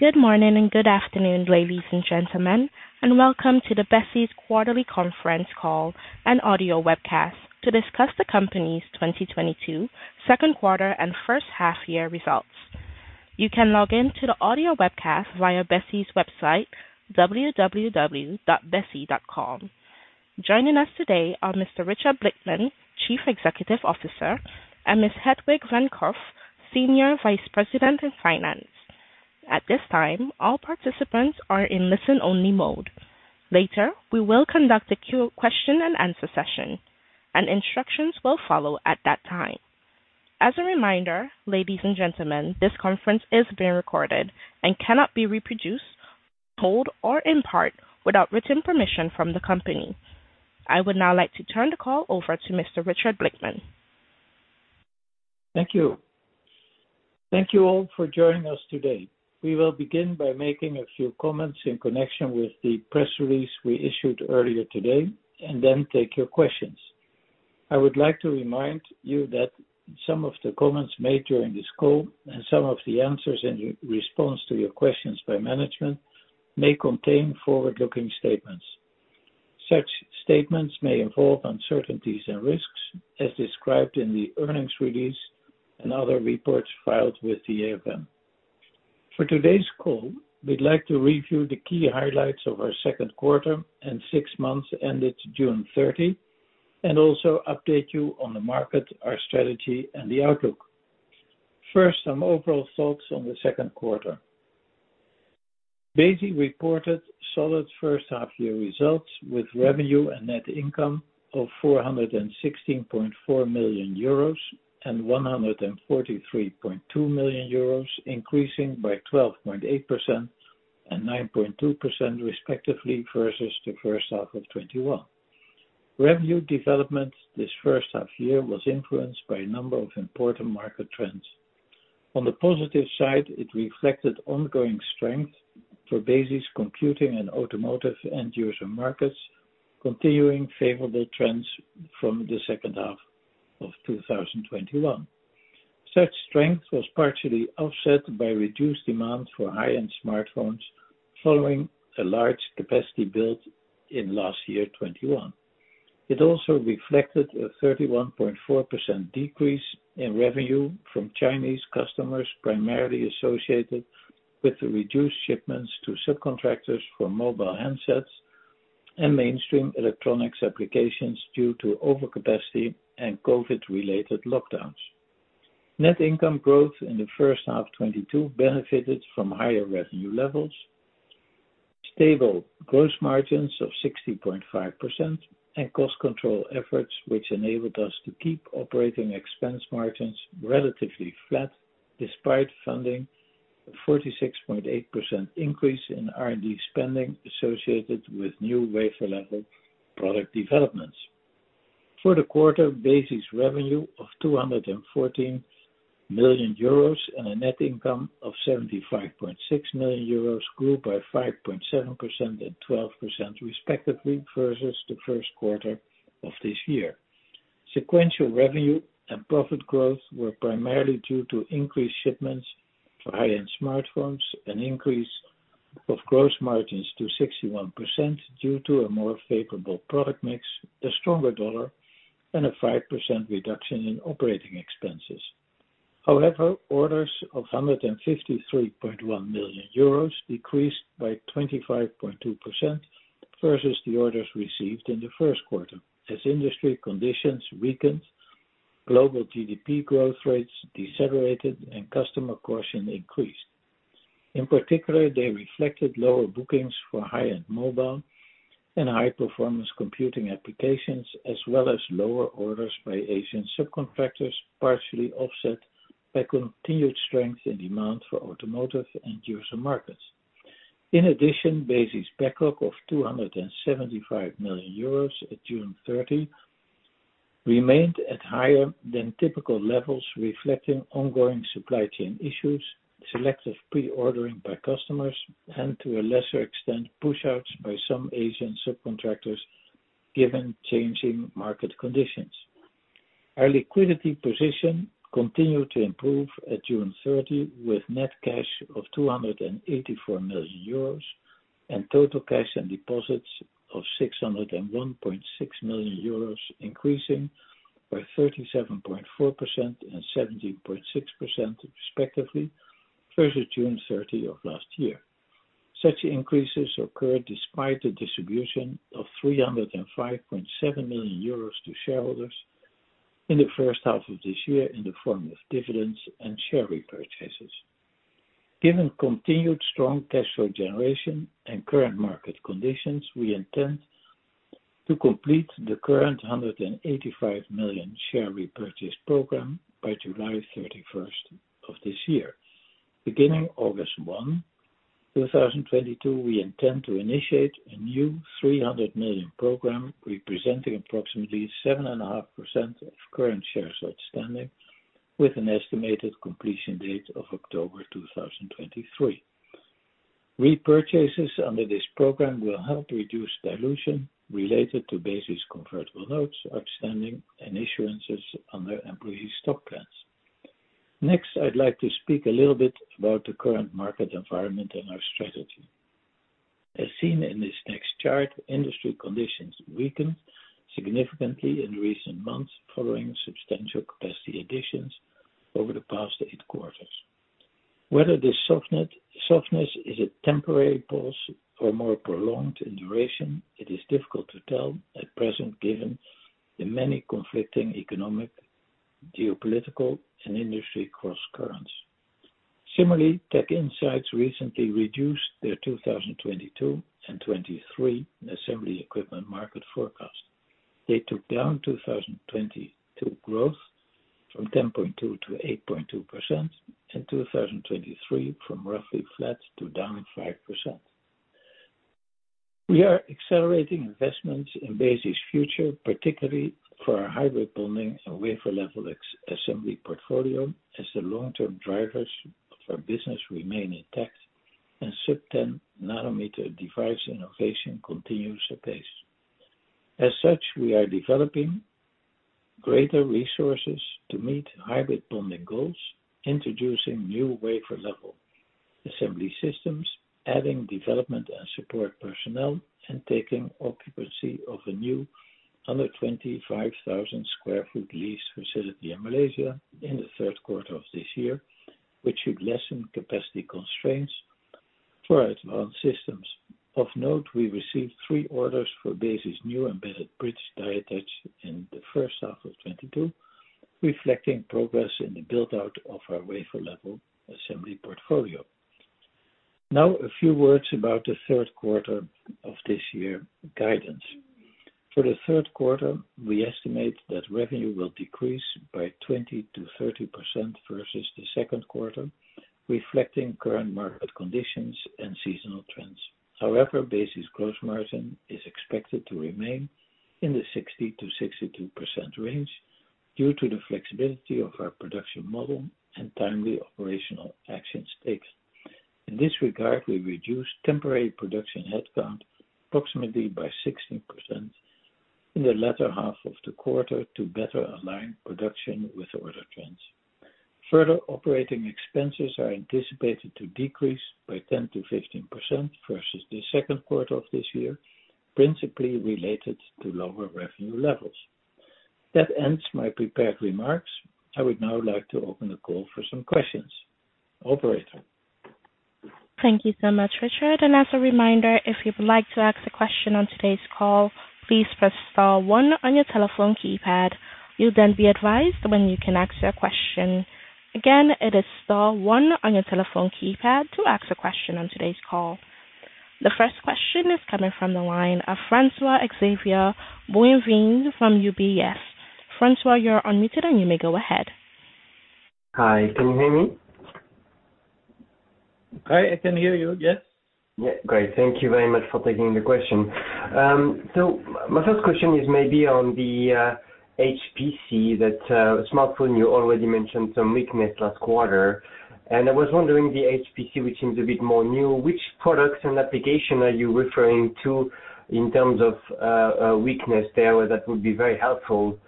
Good morning and good afternoon, ladies and gentlemen, and welcome to Besi's quarterly conference call and audio webcast to discuss the company's 2022 second quarter and first half-year results. You can log in to the audio webcast via Besi's website, www.besi.com. Joining us today are Mr. Richard Blickman, Chief Executive Officer, and Ms. Hetwig van Kerkhof, Senior Vice President, Finance. At this time, all participants are in listen-only mode. Later, we will conduct a question and answer session and instructions will follow at that time. As a reminder, ladies and gentlemen, this conference is being recorded and cannot be reproduced in whole or in part, without written permission from the company. I would now like to turn the call over to Mr. Richard Blickman. Thank you. Thank you all for joining us today. We will begin by making a few comments in connection with the press release we issued earlier today and then take your questions. I would like to remind you that some of the comments made during this call and some of the answers in response to your questions by management, may contain forward-looking statements. Such statements may involve uncertainties and risks as described in the earnings release and other reports filed with the AFM. For today's call, we'd like to review the key highlights of our second quarter and six months ended June 30, and also update you on the market, our strategy, and the outlook. First, some overall thoughts on the second quarter. Besi reported solid first half year results with revenue and net income of 416.4 million euros and 143.2 million euros, increasing by 12.8% and 9.2% respectively versus the first half of 2021. Revenue development this first half year was influenced by a number of important market trends. On the positive side, it reflected ongoing strength for basis computing and automotive end-user markets, continuing favorable trends from the second half of 2021. Such strength was partially offset by reduced demand for high-end smartphones following a large capacity built in last year, 2021. It also reflected a 31.4% decrease in revenue from Chinese customers, primarily associated with the reduced shipments to subcontractors for mobile handsets and mainstream electronics applications due to overcapacity and COVID-related lockdowns. Net income growth in the first half 2022 benefited from higher revenue levels, stable gross margins of 60.5% and cost control efforts, which enabled us to keep operating expense margins relatively flat despite funding a 46.8% increase in R&D spending associated with new wafer-level product developments. For the quarter, Besi's revenue of 214 million euros and a net income of 75.6 million euros grew by 5.7% and 12%, respectively, versus the first quarter of this year. Sequential revenue and profit growth were primarily due to increased shipments for high-end smartphones, an increase of gross margins to 61% due to a more favorable product mix, a stronger dollar, and a 5% reduction in operating expenses. However, orders of 153.1 million euros decreased by 25.2% versus the orders received in the first quarter. As industry conditions weakened, global GDP growth rates decelerated and customer caution increased. In particular, they reflected lower bookings for high-end mobile and high-performance computing applications, as well as lower orders by Asian subcontractors, partially offset by continued strength in demand for automotive end-user markets. In addition, Besi's backlog of 275 million euros at June 30 remained at higher than typical levels, reflecting ongoing supply chain issues, selective pre-ordering by customers, and to a lesser extent, push outs by some Asian subcontractors given changing market conditions. Our liquidity position continued to improve at June 30, with net cash of 284 million euros and total cash and deposits of 601.6 million euros, increasing by 37.4% and 17.6% respectively versus June 30 of last year. Such increases occurred despite the distribution of 305.7 million euros to shareholders in the first half of this year in the form of dividends and share repurchases. Given continued strong cash flow generation and current market conditions, we intend to complete the current 185 million share repurchase program by July 31st of this year. Beginning August 1, 2022, we intend to initiate a new 300 million program, representing approximately 7.5% of current shares outstanding, with an estimated completion date of October 2023. Repurchases under this program will help reduce dilution related to Besi's convertible notes outstanding and incentives under employee stock plans. Next, I'd like to speak a little bit about the current market environment and our strategy. As seen in this next chart, industry conditions weakened significantly in recent months following substantial capacity additions over the past eight quarters. Whether this softness is a temporary pause or more prolonged in duration, it is difficult to tell at present, given the many conflicting economic, geopolitical, and industry crosscurrents. Similarly, TechInsights recently reduced their 2022 and 2023 assembly equipment market forecast. They took down 2022 growth from 10.2%-8.2% and 2023 from roughly flat to down 5%. We are accelerating investments in Besi's future, particularly for our hybrid bonding and wafer-level assembly portfolio, as the long-term drivers of our business remain intact and sub-10 nm device innovation continues apace. We are developing greater resources to meet hybrid bonding goals, introducing new wafer-level assembly systems, adding development and support personnel, and taking occupancy of a new 125,000 sq ft leased facility in Malaysia in the third quarter of this year, which should lessen capacity constraints for advanced systems. We received three orders for Besi's new Embedded Bridge Die Attach in the first half of 2022, reflecting progress in the build-out of our wafer-level assembly portfolio. Now a few words about the third quarter of this year guidance. For the third quarter, we estimate that revenue will decrease by 20%-30% versus the second quarter, reflecting current market conditions and seasonal trends. However, Besi's gross margin is expected to remain in the 60%-62% range due to the flexibility of our production model and timely operational actions taken. In this regard, we reduced temporary production headcount approximately by 16% in the latter half of the quarter to better align production with order trends. Further operating expenses are anticipated to decrease by 10%-15% versus the second quarter of this year, principally related to lower revenue levels. That ends my prepared remarks. I would now like to open the call for some questions. Operator. Thank you so much, Richard. As a reminder, if you would like to ask a question on today's call, please press star one on your telephone keypad. You'll then be advised when you can ask your question. Again, it is star one on your telephone keypad to ask a question on today's call. The first question is coming from the line of François-Xavier Bouvignies from UBS. François, you're unmuted, and you may go ahead. Hi, can you hear me? Hi, I can hear you. Yes. Yeah, great. Thank you very much for taking the question. So my first question is maybe on the HPC and smartphone you already mentioned some weakness last quarter, and I was wondering, the HPC, which seems a bit more new, which products and application are you referring to in terms of a weakness there? That would be very helpful.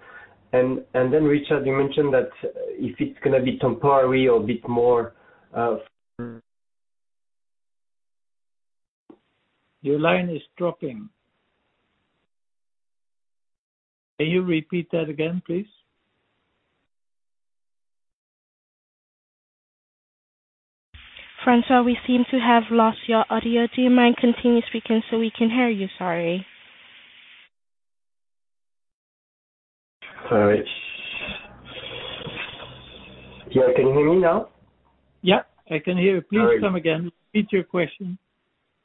And then, Richard, you mentioned that if it's gonna be temporary or a bit more. Your line is dropping. Can you repeat that again, please? François, we seem to have lost your audio. Do you mind continuing speaking so we can hear you? Sorry. Sorry. Yeah, can you hear me now? Yeah, I can hear you. Sorry. Please come again. Repeat your question.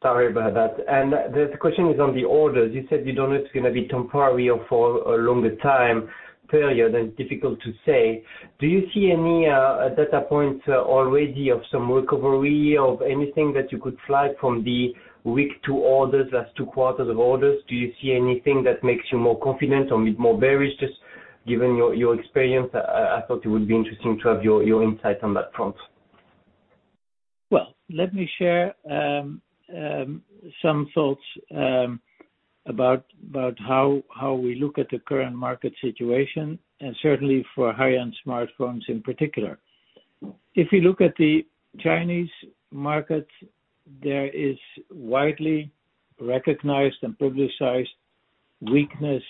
Sorry about that. The question is on the orders. You said you don't know if it's gonna be temporary or for a longer time period, and it's difficult to say. Do you see any data points already of some recovery of anything that you could flag from the weak two orders, last two quarters of orders? Do you see anything that makes you more confident or bit more bearish? Just given your experience, I thought it would be interesting to have your insight on that front. Well, let me share some thoughts about how we look at the current market situation, and certainly for high-end smartphones in particular. If you look at the Chinese market, there is widely recognized and publicized weakness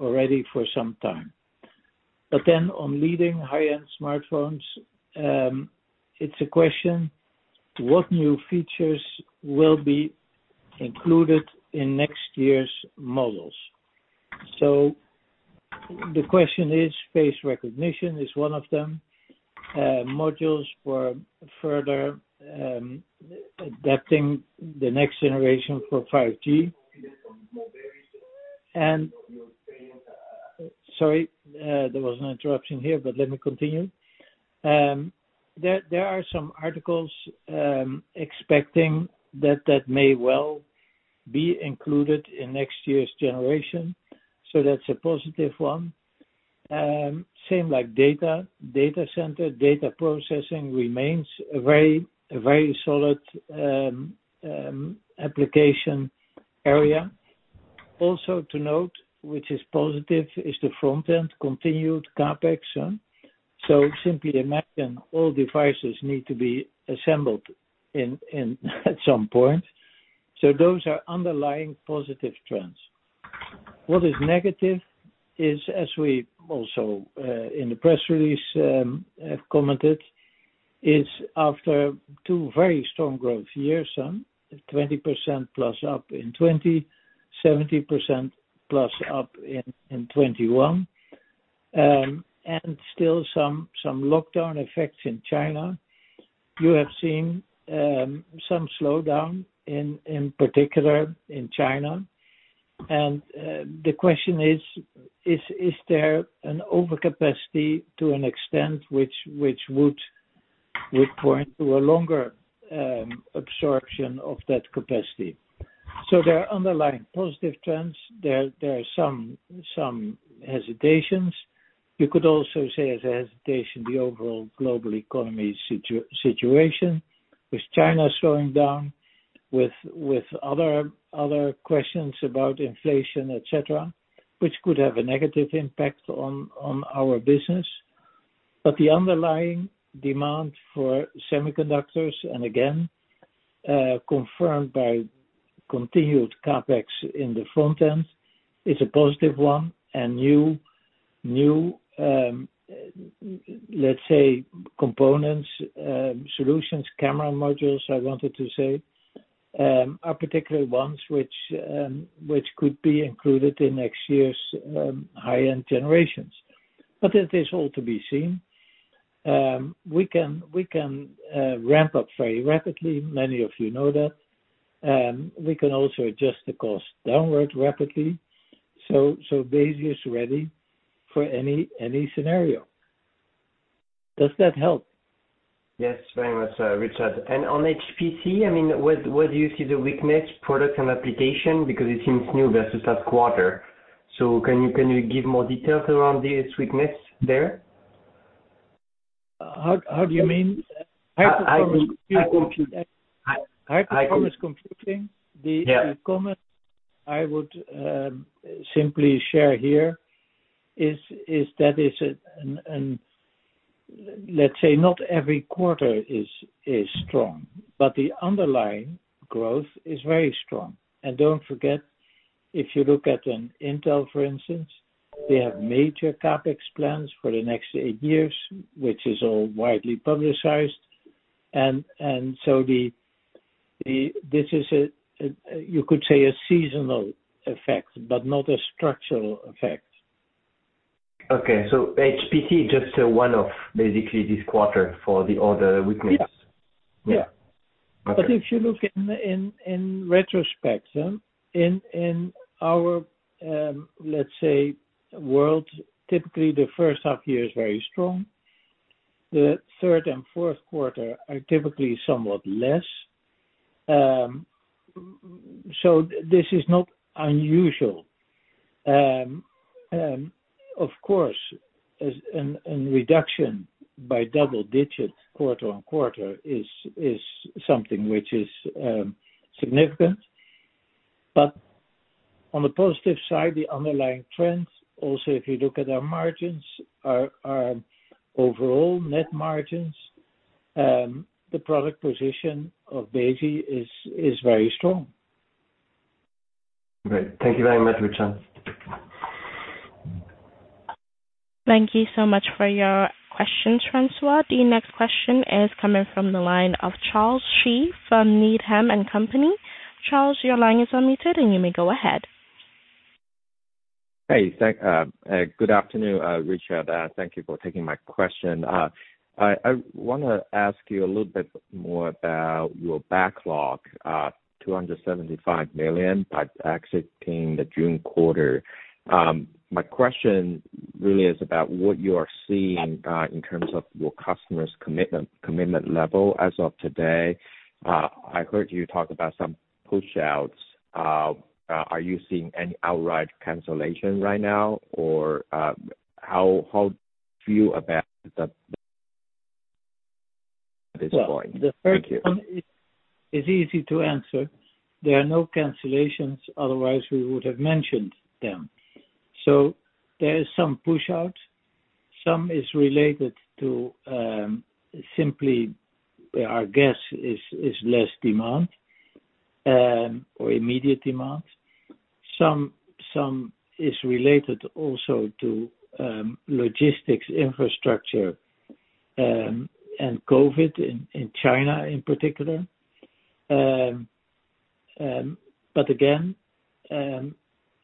already for some time. On leading high-end smartphones, it's a question, what new features will be included in next year's models? The question is, face recognition is one of them, modules for further adapting the next generation for 5G. Sorry, there was an interruption here, but let me continue. There are some articles expecting that may well be included in next year's generation, so that's a positive one. Same, like data center, data processing remains a very solid application area. Also to note, which is positive, is the front end continued CapEx. Simply imagine all devices need to be assembled in at some point. Those are underlying positive trends. What is negative is, as we also in the press release have commented, is after two very strong growth years, 20%+ up in 2020, 70%+ up in 2021, and still some lockdown effects in China. You have seen some slowdown in particular in China. The question is there an overcapacity to an extent which would point to a longer absorption of that capacity. There are underlying positive trends. There are some hesitations. You could also say as a hesitation, the overall global economy situation with China slowing down, with other questions about inflation, et cetera, which could have a negative impact on our business. The underlying demand for semiconductors, and again, confirmed by continued CapEx in the front end, is a positive one. New, let's say, components, solutions, camera modules, I wanted to say, are particular ones which could be included in next year's high-end generations. It is all to be seen. We can ramp up very rapidly. Many of you know that. We can also adjust the cost downward rapidly. Besi is ready for any scenario. Does that help? Yes, very much, Richard. On HPC, I mean, where do you see the weakness product and application? Because it seems new versus that quarter. Can you give more details around the weakness there? How do you mean? I complete- High-Performance Computing. Yeah. The comment I would simply share here is that it's, let's say, not every quarter is strong, but the underlying growth is very strong. Don't forget, if you look at Intel, for instance, they have major CapEx plans for the next eight years, which is all widely publicized. This is a, you could say, a seasonal effect, but not a structural effect. Okay. HPC, just a one-off, basically this quarter for the other weakness. Yeah. Yeah. Okay. If you look in retrospect, in our let's say world, typically the first half year is very strong. The third and fourth quarter are typically somewhat less. This is not unusual. Of course, a reduction by double-digit quarter-on-quarter is something which is significant. On the positive side, the underlying trends, also, if you look at our margins, our overall net margins, the product position of Besi is very strong. Great. Thank you very much, Richard. Thank you so much for your question, François. The next question is coming from the line of Charles Shi from Needham & Company. Charles, your line is unmuted, and you may go ahead. Good afternoon, Richard. Thank you for taking my question. I wanna ask you a little bit more about your backlog, 275 million by exiting the June quarter. My question really is about what you are seeing in terms of your customers' commitment level as of today. I heard you talk about some push-outs. Are you seeing any outright cancellation right now? Or, how do you feel about that at this point? Thank you. The first one is easy to answer. There are no cancellations, otherwise we would have mentioned them. There is some push-out. Some is related to simply our guess is less demand or immediate demand. Some is related also to logistics infrastructure and COVID in China in particular. But again,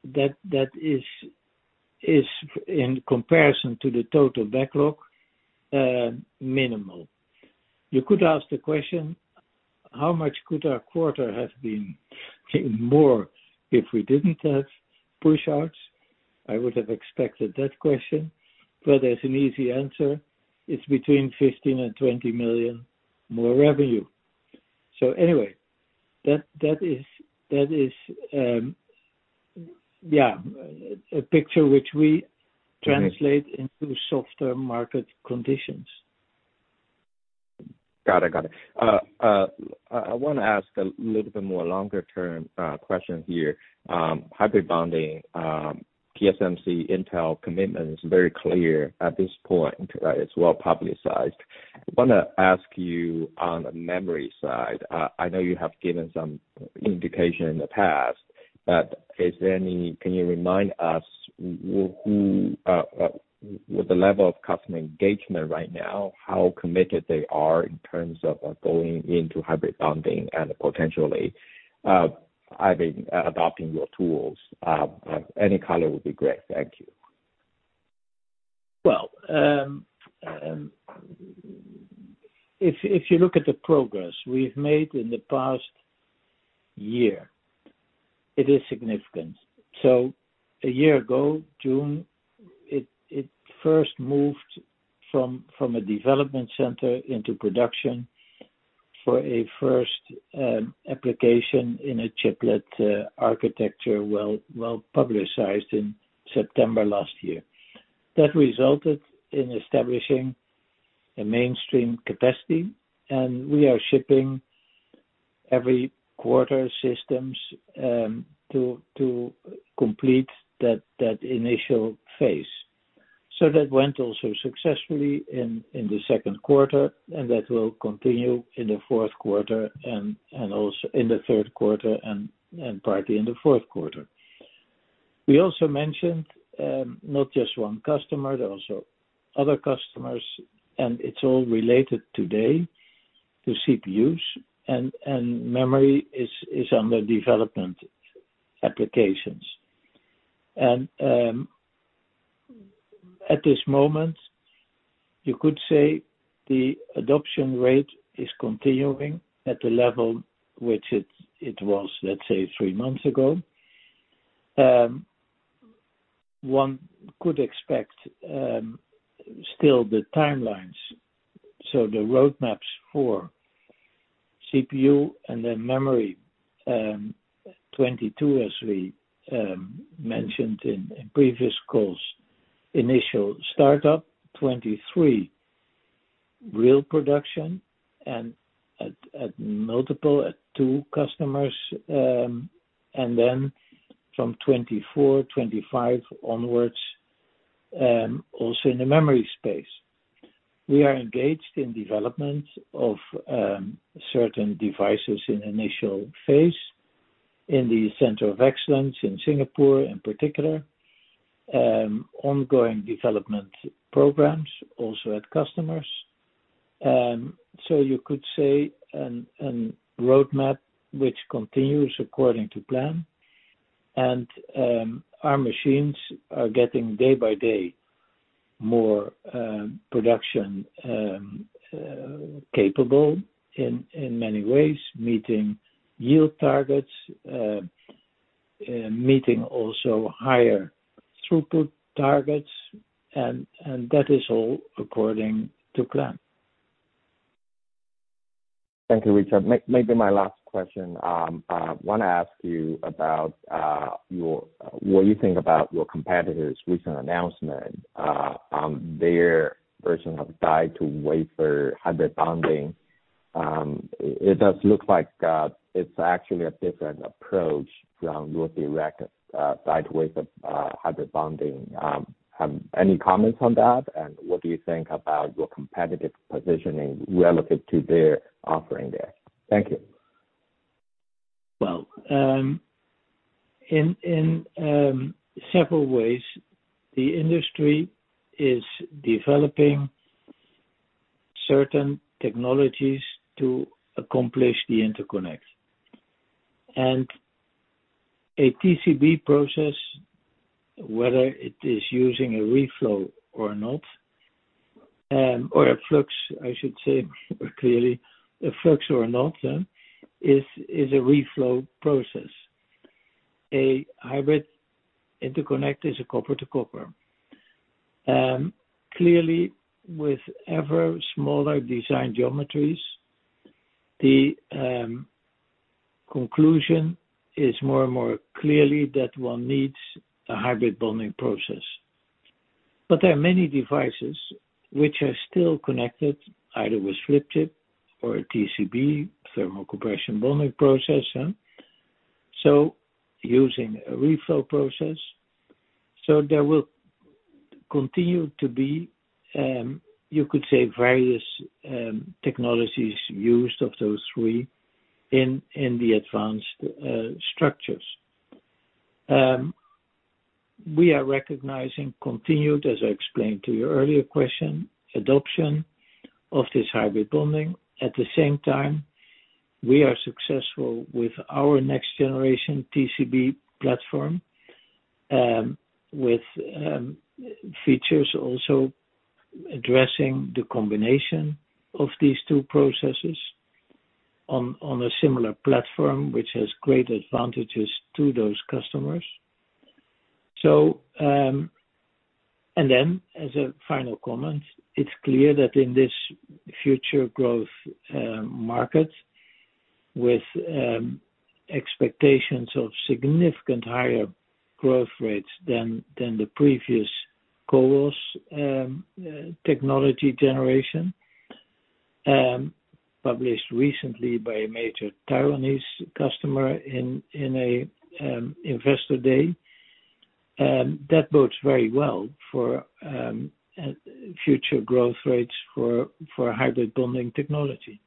that is in comparison to the total backlog minimal. You could ask the question, how much could our quarter have been more if we didn't have push-outs? I would have expected that question. But there's an easy answer. It's between 15 million and 20 million more revenue. Anyway, that is a picture which we translate into softer market conditions. Got it. I want to ask a little bit more longer-term question here. Hybrid bonding, TSMC, Intel commitment is very clear at this point. It's well-publicized. I want to ask you on the memory side. I know you have given some indication in the past, but can you remind us who, with the level of customer engagement right now, how committed they are in terms of going into hybrid bonding and potentially, I mean, adopting your tools? Any color would be great. Thank you. Well, if you look at the progress we've made in the past year, it is significant. A year ago, June, it first moved from a development center into production for a first application in a chiplet architecture, well-publicized in September last year. That resulted in establishing a mainstream capacity, and we are shipping every quarter systems to complete that initial phase. That went also successfully in the second quarter, and that will continue in the fourth quarter and also in the third quarter and partly in the fourth quarter. We also mentioned not just one customer, there are also other customers, and it's all related today to CPUs and memory is under development applications. At this moment, you could say the adoption rate is continuing at the level which it was, let's say, three months ago. One could expect still the timelines. The roadmaps for CPU and then memory, 2022, as we mentioned in previous calls, initial startup. 2023, real production and at multiple, at two customers, and then from 2024, 2025 onwards, also in the memory space. We are engaged in development of certain devices in initial phase in the Center of Excellence in Singapore, in particular, ongoing development programs also at customers. You could say a roadmap which continues according to plan. Our machines are getting day by day more production capable in many ways, meeting yield targets, meeting also higher throughput targets, and that is all according to plan. Thank you, Richard. My last question. Want to ask you about what you think about your competitor's recent announcement on their version of die-to-wafer hybrid bonding. It does look like it's actually a different approach from your direct die-to-wafer hybrid bonding. Have any comments on that? What do you think about your competitive positioning relative to their offering there? Thank you. Well, in several ways, the industry is developing certain technologies to accomplish the interconnect. A TCB process, whether it is using a reflow or not, or a flux, I should say, clearly, a flux or not, is a reflow process. A hybrid interconnect is a copper to copper. Clearly, with ever smaller design geometries, the conclusion is more and more clearly that one needs a hybrid bonding process. There are many devices which are still connected either with flip chip or a TCB, thermal compression bonding process, so using a reflow process. There will continue to be, you could say various, technologies used of those three in the advanced structures. We are recognizing continued, as I explained to your earlier question, adoption of this hybrid bonding. At the same time, we are successful with our next generation TCB platform, with features also addressing the combination of these two processes on a similar platform, which has great advantages to those customers. As a final comment, it's clear that in this future growth market with expectations of significant higher growth rates than the previous CoWoS technology generation, published recently by a major Taiwanese customer in an investor day, that bodes very well for future growth rates for hybrid bonding technology.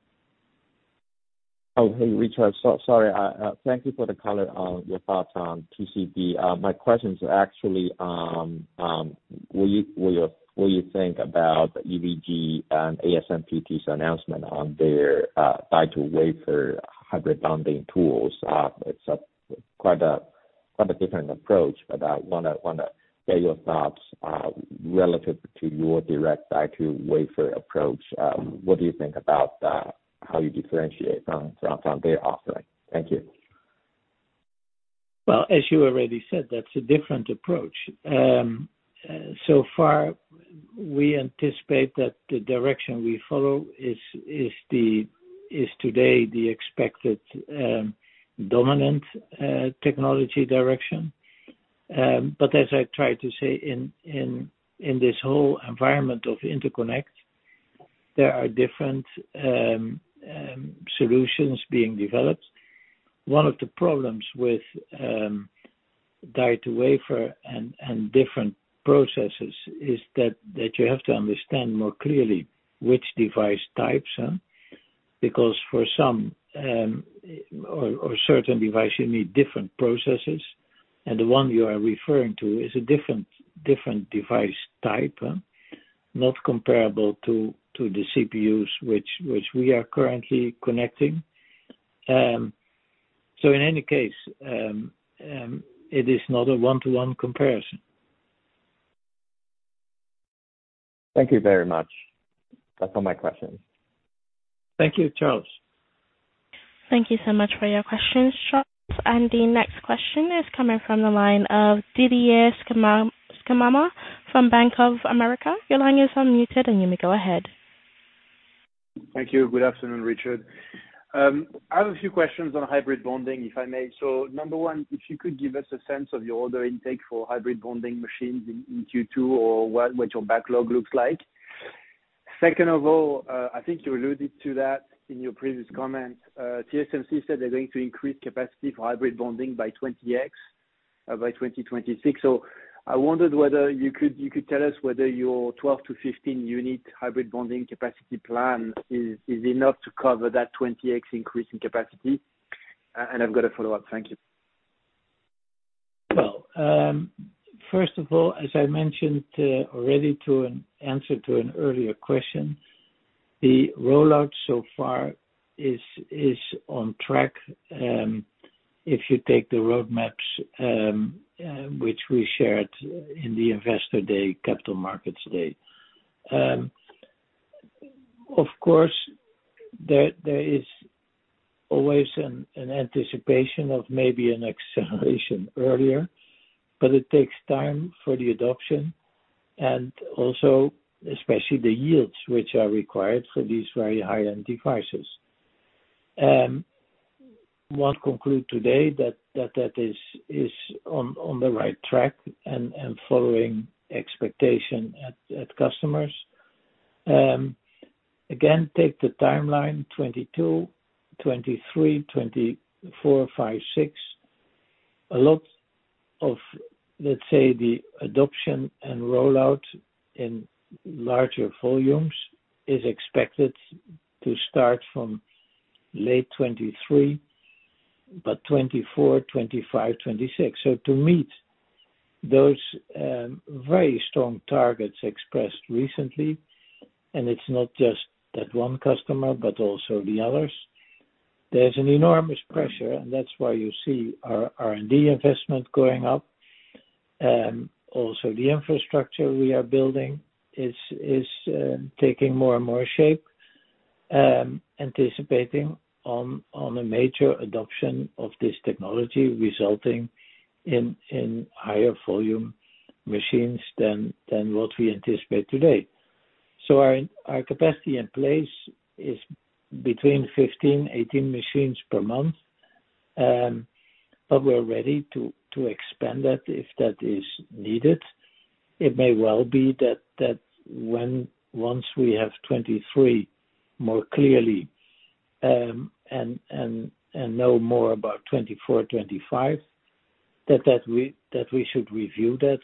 Oh, hey, Richard. So sorry. I thank you for the color on your thoughts on TCB. My question is actually, will you think about EVG and ASMPT's announcement on their die-to-wafer hybrid bonding tools? It's quite a different approach, but I wanna get your thoughts relative to your direct die-to-wafer approach. What do you think about how you differentiate from their offering? Thank you. Well, as you already said, that's a different approach. So far we anticipate that the direction we follow is today the expected dominant technology direction. As I tried to say, in this whole environment of interconnect, there are different solutions being developed. One of the problems with die-to-wafer and different processes is that you have to understand more clearly which device types. Because for some or certain device you need different processes, and the one you are referring to is a different device type, not comparable to the CPUs which we are currently connecting. In any case, it is not a one-to-one comparison. Thank you very much. That's all my questions. Thank you, Charles. Thank you so much for your questions, Charles. The next question is coming from the line of Didier Scemama from Bank of America. Your line is unmuted, and you may go ahead. Thank you. Good afternoon, Richard. I have a few questions on hybrid bonding, if I may. Number one, if you could give us a sense of your order intake for hybrid bonding machines in Q2 or what your backlog looks like. Second of all, I think you alluded to that in your previous comments. TSMC said they're going to increase capacity for hybrid bonding by 20x by 2026. I wondered whether you could tell us whether your 12-15 unit hybrid bonding capacity plan is enough to cover that 20x increase in capacity. And I've got a follow-up. Thank you. Well, first of all, as I mentioned already in answer to an earlier question, the rollout so far is on track, if you take the roadmaps which we shared in the Investor Day Capital Markets Day. Of course, there is always an anticipation of maybe an acceleration earlier, but it takes time for the adoption and also especially the yields which are required for these very high-end devices. What we conclude today is that it is on the right track and following expectations at customers. Again, take the timeline 2022, 2023, 2024, 2025, 2026. A lot of, let's say, the adoption and rollout in larger volumes is expected to start from late 2023, but 2024, 2025, 2026. To meet those very strong targets expressed recently, and it's not just that one customer, but also the others, there's an enormous pressure, and that's why you see our R&D investment going up. Also the infrastructure we are building is taking more and more shape, anticipating on a major adoption of this technology resulting in higher volume machines than what we anticipate today. Our capacity in place is between 15-18 machines per month, but we're ready to expand that if that is needed. It may well be that when once we have 2023 more clearly, and know more about 2024, 2025, that we should review that.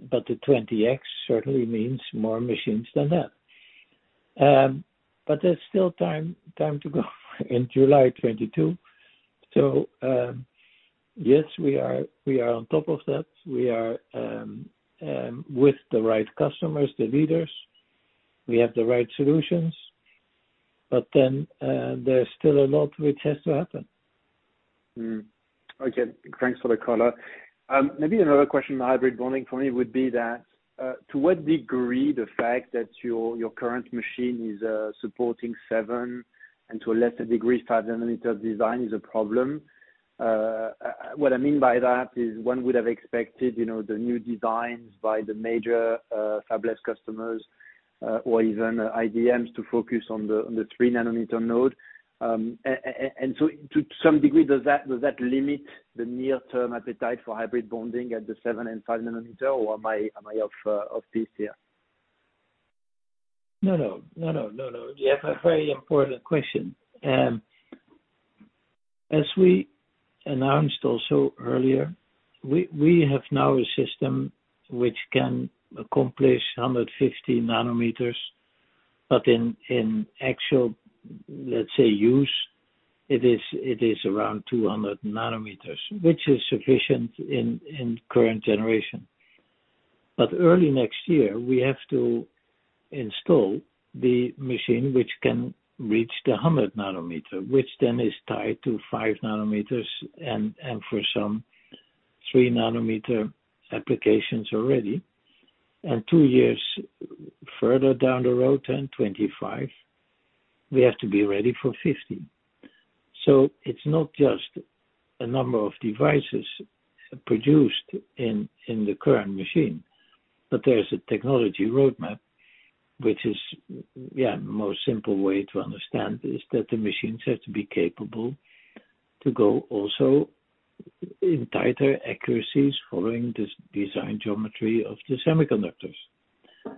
The 20x certainly means more machines than that. There's still time to go in July 2022. Yes, we are on top of that. We are with the right customers, the leaders. We have the right solutions. There's still a lot which has to happen. Thanks for the color. Maybe another question on hybrid bonding for me would be that to what degree the fact that your current machine is supporting 7 nm and to a lesser degree 5 nm design is a problem. What I mean by that is one would have expected, you know, the new designs by the major fabless customers or even IDMs to focus on the 3 nm node. To some degree, does that limit the near-term appetite for hybrid bonding at the 7 nm and 5 nm, or am I off base here? No. You have a very important question. As we announced also earlier, we have now a system which can accomplish 150 nm, but in actual, let's say, use, it is around 200 nm, which is sufficient in current generation. Early next year, we have to install the machine which can reach the 100 nm, which then is tied to 5 nm and for some 3 nm applications already. Two years further down the road, 2025, we have to be ready for 50 nm. It's not just a number of devices produced in the current machine, but there is a technology roadmap. Most simple way to understand is that the machines have to be capable to go also in tighter accuracies following this design geometry of the semiconductors.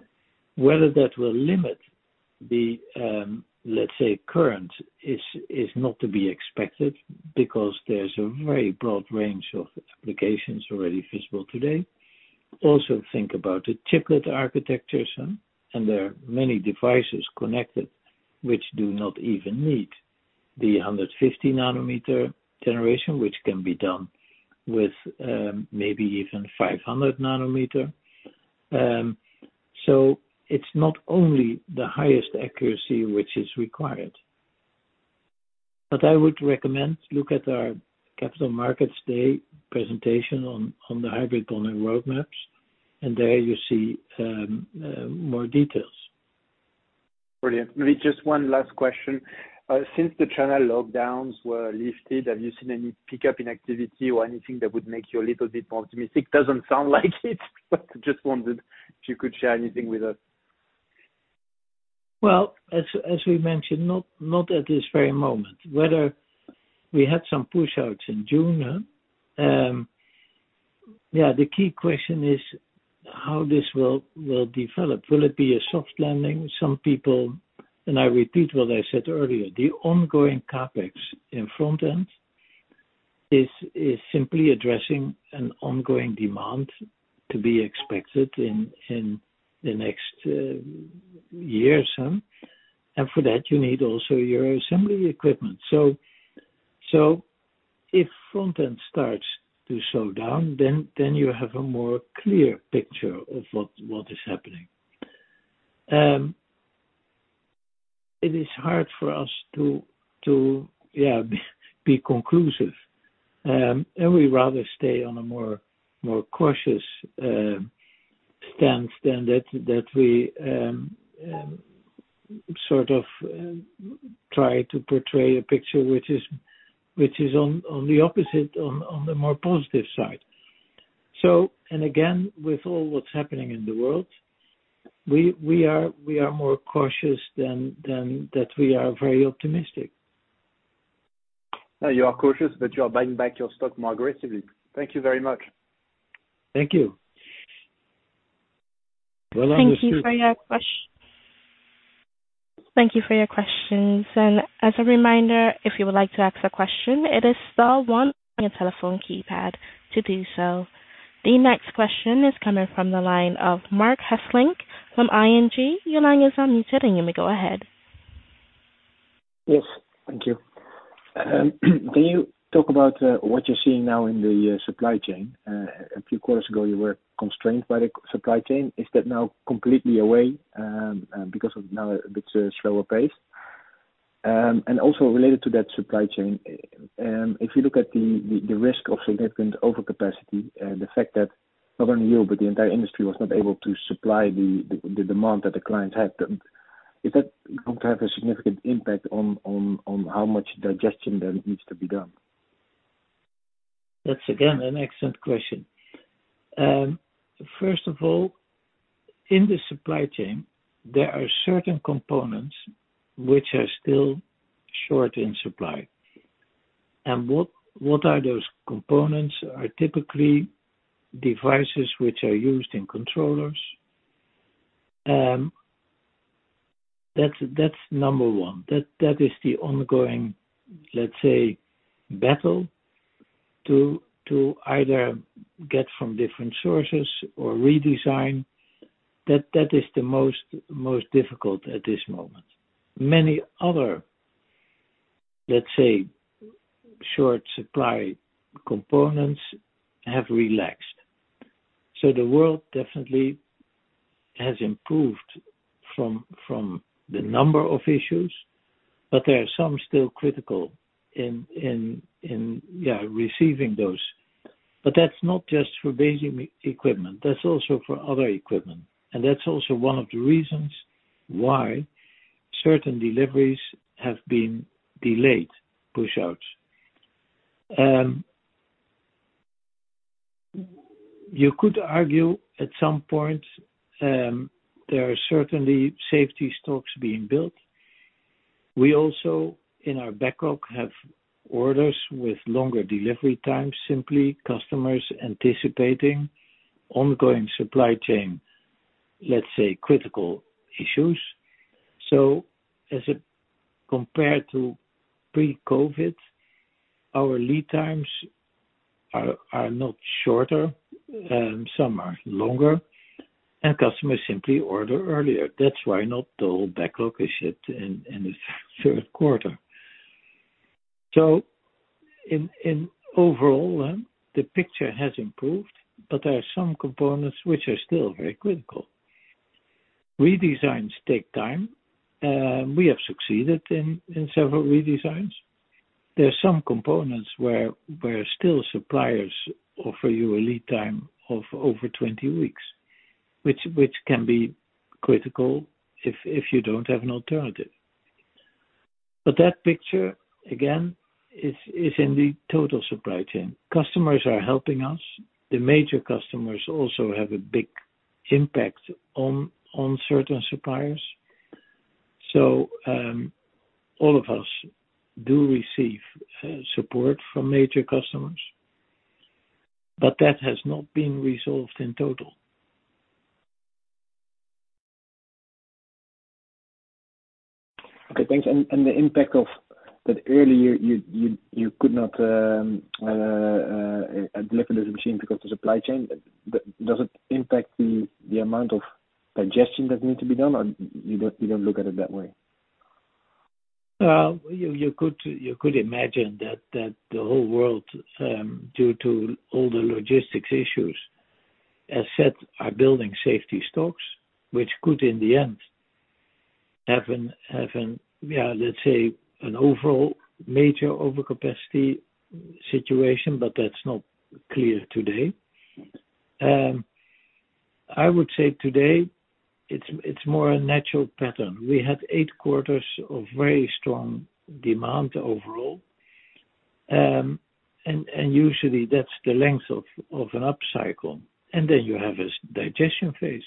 Whether that will limit the, let's say, current, is not to be expected because there's a very broad range of applications already feasible today. Also think about the chiplet architectures, and there are many devices connected which do not even need the 150 nm generation, which can be done with, maybe even 500 nm. So it's not only the highest accuracy which is required. I would recommend look at our Capital Markets Day presentation on the hybrid bonding roadmaps, and there you see more details. Brilliant. Maybe just one last question. Since the China lockdowns were lifted, have you seen any pickup in activity or anything that would make you a little bit more optimistic? Doesn't sound like it, but just wondered if you could share anything with us. Well, as we mentioned, not at this very moment. We had some push-outs in June. Yeah, the key question is how this will develop. Will it be a soft landing? Some people. I repeat what I said earlier, the ongoing CapEx in front end is simply addressing an ongoing demand to be expected in the next years. For that you need also your assembly equipment. If front end starts to slow down, then you have a more clear picture of what is happening. It is hard for us to be conclusive, and we rather stay on a more cautious stance than that we sort of try to portray a picture which is on the opposite, on the more positive side. Again, with all what's happening in the world, we are more cautious than that we are very optimistic. You are cautious, but you are buying back your stock more aggressively. Thank you very much. Thank you. Well understood. Thank you for your questions. As a reminder, if you would like to ask a question, it is star one on your telephone keypad to do so. The next question is coming from the line of Marc Hesselink from ING. Your line is unmuted and you may go ahead. Yes. Thank you. Can you talk about what you're seeing now in the supply chain? A few quarters ago you were constrained by the supply chain. Is that now completely away because of now a bit slower pace? Also related to that supply chain, if you look at the risk of significant overcapacity, the fact that not only you, but the entire industry was not able to supply the demand that the clients had, is that going to have a significant impact on how much digestion then needs to be done? That's again an excellent question. First of all, in the supply chain there are certain components which are still short in supply. What are those components are typically devices which are used in controllers. That's number one. That is the ongoing, let's say, battle to either get from different sources or redesign. That is the most difficult at this moment. Many other, let's say, short supply components have relaxed. The world definitely has improved from the number of issues, but there are some still critical in receiving those. That's not just for basic equipment, that's also for other equipment. That's also one of the reasons why certain deliveries have been delayed, push outs. You could argue at some point, there are certainly safety stocks being built. We also, in our backlog, have orders with longer delivery times, simply customers anticipating ongoing supply chain, let's say, critical issues. Compared to pre-COVID, our lead times are not shorter, some are longer, and customers simply order earlier. That's why not the whole backlog is shipped in the third quarter. Overall then, the picture has improved, but there are some components which are still very critical. Redesigns take time. We have succeeded in several redesigns. There are some components where still suppliers offer you a lead time of over 20 weeks, which can be critical if you don't have an alternative. That picture, again, is in the total supply chain. Customers are helping us. The major customers also have a big impact on certain suppliers. All of us do receive support from major customers, but that has not been resolved in total. Okay, thanks. The impact of that earlier, you could not deliver the machine because the supply chain, does it impact the amount of digestion that needs to be done, or you don't look at it that way? Well, you could imagine that the whole world, due to all the logistics issues, as said, are building safety stocks, which could in the end have an, yeah, let's say, an overall major overcapacity situation, but that's not clear today. I would say today it's more a natural pattern. We had eight quarters of very strong demand overall, and usually that's the length of an upcycle, and then you have a digestion phase.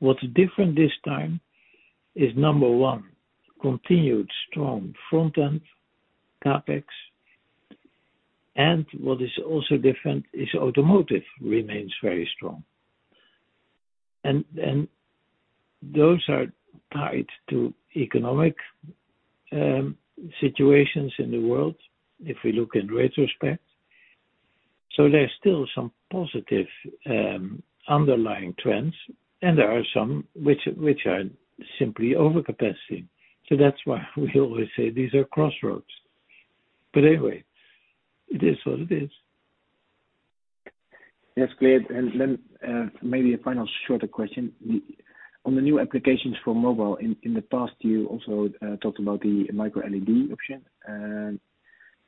What's different this time is, number one, continued strong front-end CapEx, and what is also different is automotive remains very strong. Those are tied to economic situations in the world, if we look in retrospect. There's still some positive underlying trends, and there are some which are simply overcapacity. That's why we always say these are crossroads. Anyway, it is what it is. That's clear. Maybe a final shorter question. On the new applications for mobile, in the past, you also talked about the MicroLED option.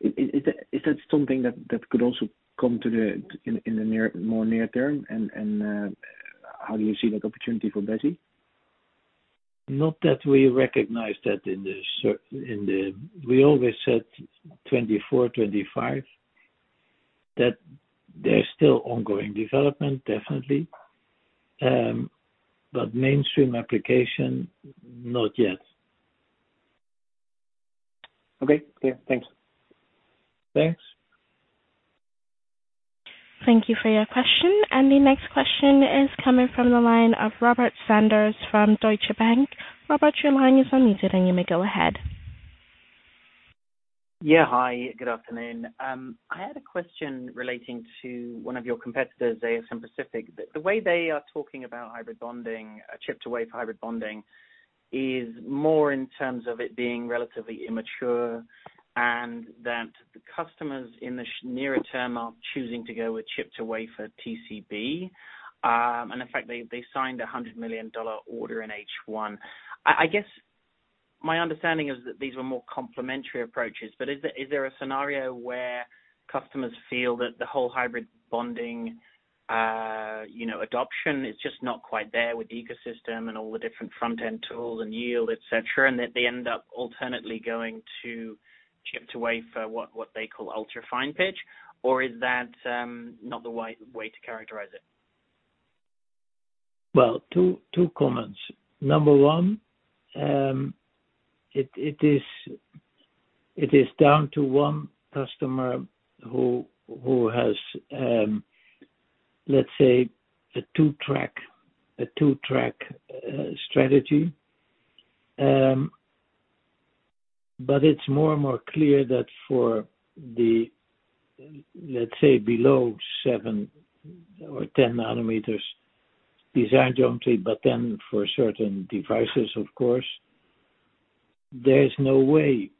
Is that something that could also come in the more near term, and how do you see that opportunity for Besi? Not that we recognize that. We always said 2024, 2025, that there's still ongoing development, definitely. Mainstream application, not yet. Okay. Clear. Thanks. Thanks. Thank you for your question. The next question is coming from the line of Robert Sanders from Deutsche Bank. Robert, your line is on mute, and you may go ahead. Yeah. Hi, good afternoon. I had a question relating to one of your competitors, ASMPT. The way they are talking about hybrid bonding, chip-to-wafer hybrid bonding, is more in terms of it being relatively immature and that the customers in the nearer term are choosing to go with chip-to-wafer TCB. In fact, they signed a $100 million order in H1. I guess my understanding is that these were more complementary approaches, but is there a scenario where customers feel that the whole hybrid bonding adoption is just not quite there with the ecosystem and all the different front-end tools and yield, et cetera, and that they end up alternately going to chip-to-wafer, what they call ultra-fine pitch? Or is that not the way to characterize it? Well, two comments. Number one, it is down to one customer who has, let's say, a two-track strategy. But it's more and more clear that for the, let's say, below 7 nm or 10 nm, these are jointly, but then for certain devices, of course, there's no way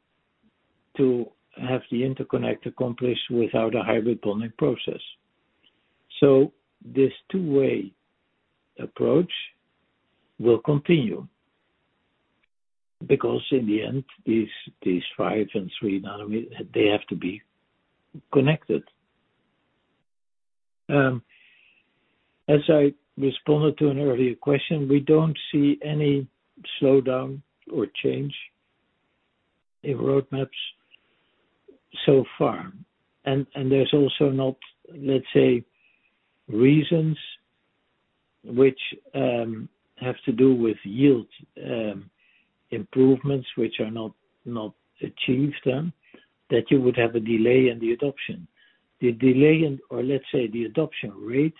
to have the interconnect accomplished without a hybrid bonding process. This two-way approach will continue. In the end, these 5 nm and 3 nm, they have to be connected. As I responded to an earlier question, we don't see any slowdown or change in roadmaps so far, and there's also not, let's say, reasons which have to do with yield, improvements which are not achieved then, that you would have a delay in the adoption. The delay in or let's say the adoption rate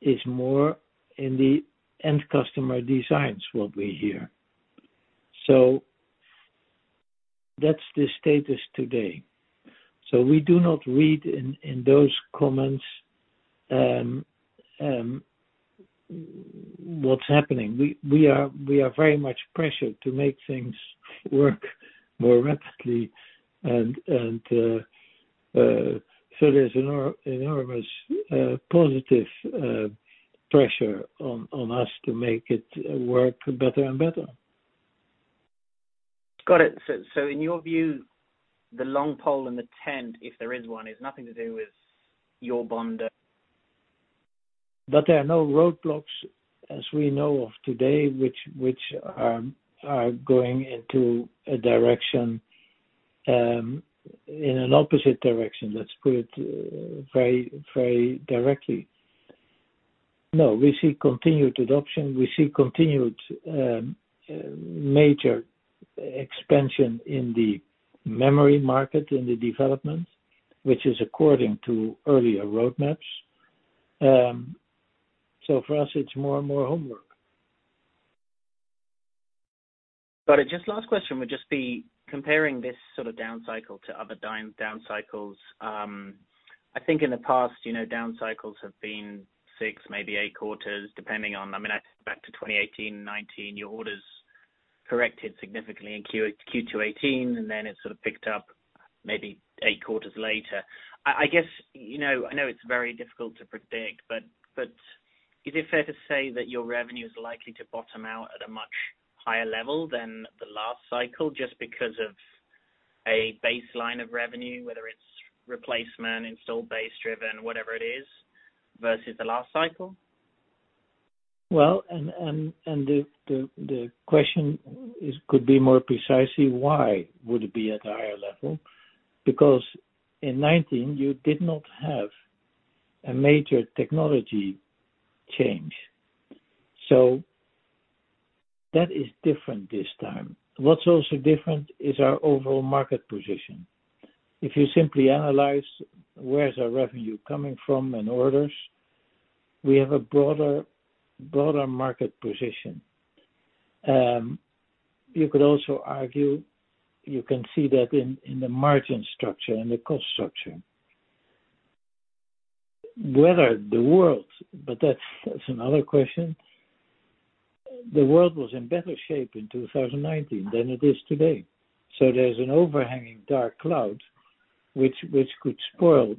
is more in the end customer designs, what we hear. That's the status today. We do not read in those comments what's happening. We are very much pressured to make things work more rapidly and so there's enormous positive pressure on us to make it work better and better. Got it. In your view, the long pole in the tent, if there is one, is nothing to do with your bond. There are no roadblocks as we know of today, which are going into a direction in an opposite direction. Let's put it very, very directly. No, we see continued adoption. We see continued major expansion in the memory market, in the development, which is according to earlier roadmaps. For us, it's more and more homework. Got it. Just last question would just be comparing this sort of down cycle to other down cycles. I think in the past, you know, down cycles have been six, maybe eight quarters, depending on, I mean, back to 2018 and 2019, your orders corrected significantly in Q2 2018, and then it sort of picked up maybe eight quarters later. I guess, you know, I know it's very difficult to predict, but is it fair to say that your revenue is likely to bottom out at a much higher level than the last cycle just because of a baseline of revenue, whether it's replacement, install base driven, whatever it is, versus the last cycle? Well, the question is could be more precisely why would it be at a higher level? Because in 2019 you did not have a major technology change. That is different this time. What's also different is our overall market position. If you simply analyze where's our revenue coming from in orders, we have a broader market position. You could also argue you can see that in the margin structure and the cost structure. But that's another question. The world was in better shape in 2019 than it is today. There's an overhanging dark cloud which could spoil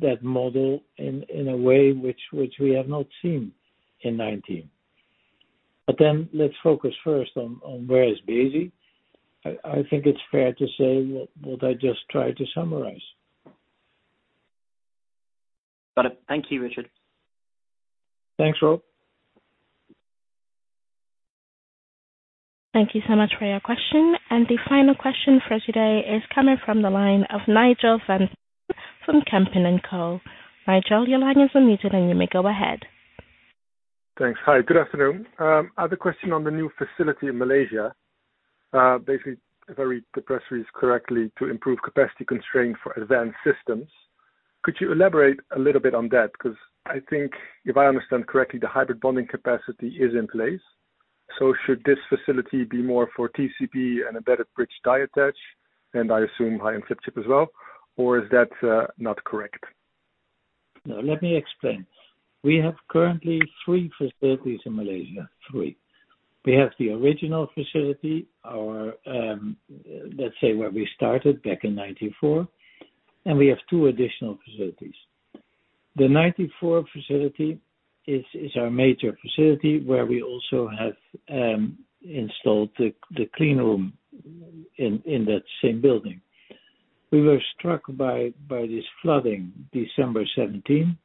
that model in a way which we have not seen in 2019. Let's focus first on where is Besi. I think it's fair to say what I just tried to summarize. Got it. Thank you, Richard. Thanks, Rob. Thank you so much for your question. The final question for today is coming from the line of Nigel van Putten from Kempen & Co. Nigel, your line is unmuted, and you may go ahead. Thanks. Hi, good afternoon. I have a question on the new facility in Malaysia. Basically, if I read the press release correctly, to improve capacity constraint for advanced systems. Could you elaborate a little bit on that? 'Cause I think if I understand correctly, the hybrid bonding capacity is in place. Should this facility be more for TCB and Embedded Bridge Die Attach, and I assume high-end flip chip as well, or is that not correct? No, let me explain. We have currently three facilities in Malaysia. Three. We have the original facility, our, let's say where we started back in 1994, and we have two additional facilities. The 1994 facility is our major facility, where we also have installed the clean room in that same building. We were struck by this flooding December 2017.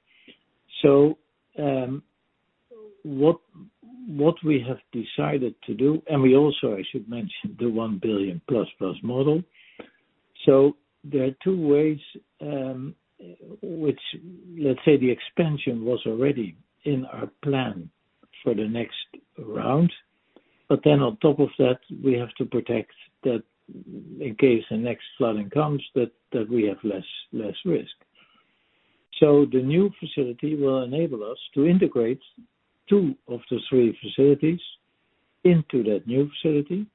What we have decided to do, and we also, I should mention, the 1 billion+ model. There are two ways, which let's say the expansion was already in our plan for the next round, but then on top of that, we have to protect that in case the next flooding comes that we have less risk. The new facility will enable us to integrate two of the three facilities into that new facility.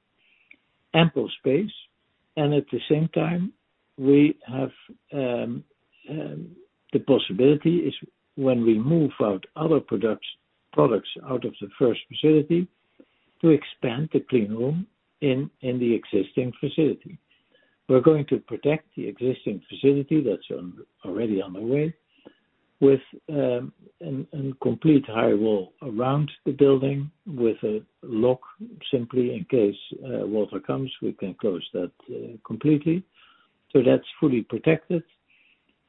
Ample space, at the same time, we have the possibility when we move out other products out of the first facility to expand the clean room in the existing facility. We're going to protect the existing facility that's already on the way. With a complete high wall around the building with a lock simply in case water comes, we can close that completely. That's fully protected.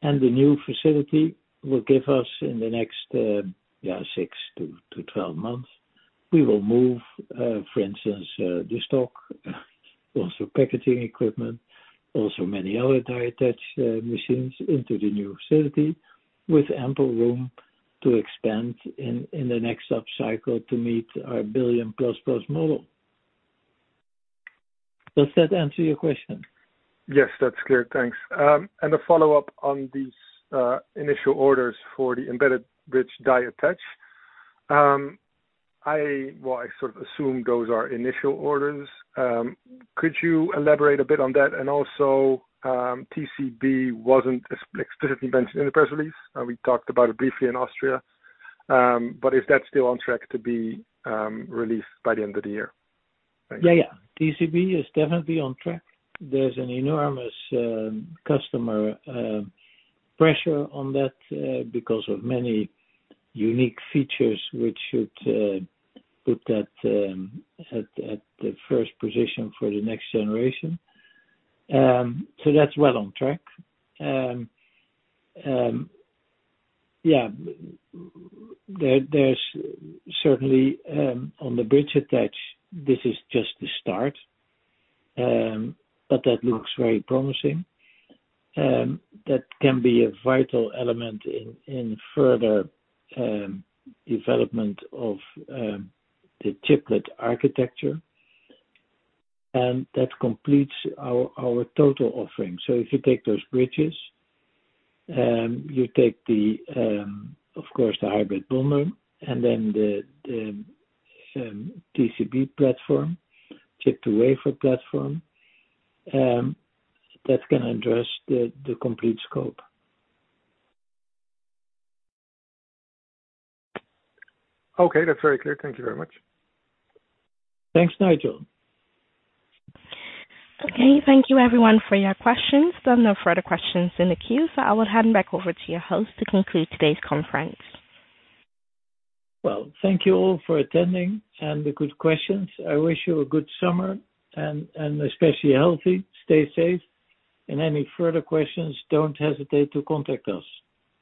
The new facility will give us in the next six to 12 months, we will move, for instance, the stock, also packaging equipment, also many other die attach machines into the new facility with ample room to expand in the next upcycle to meet our 1 billion+ model. Does that answer your question? Yes, that's clear. Thanks. A follow-up on these initial orders for the Embedded Bridge Die Attach. Well, I sort of assume those are initial orders. Could you elaborate a bit on that? Also, TCB wasn't explicitly mentioned in the press release. We talked about it briefly in Austria. Is that still on track to be released by the end of the year? Thanks. Yeah, yeah. TCB is definitely on track. There's an enormous customer pressure on that because of many unique features which should put that at the first position for the next generation. That's well on track. Yeah, there's certainly on the bridge attach, this is just the start, but that looks very promising. That can be a vital element in further development of the chiplet architecture, and that completes our total offering. If you take those bridges, you take, of course, the hybrid bonder and then the TCB platform, chip-to-wafer platform, that's gonna address the complete scope. Okay. That's very clear. Thank you very much. Thanks, Nigel. Okay. Thank you everyone for your questions. There are no further questions in the queue, so I will hand back over to your host to conclude today's conference. Well, thank you all for attending and the good questions. I wish you a good summer and especially healthy. Stay safe. Any further questions, don't hesitate to contact us.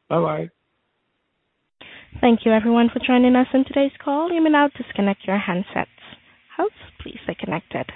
Bye-bye. Thank you everyone for joining us on today's call. You may now disconnect your handsets. Hosts, please stay connected.